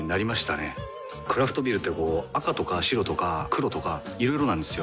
クラフトビールってこう赤とか白とか黒とかいろいろなんですよ。